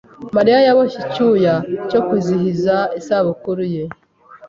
Mariya yaboshye icyuya cyo kwizihiza isabukuru ye.